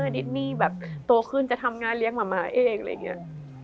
ดิสนี่โตขึ้นจะทำงานเลี้ยงมาม่าเอง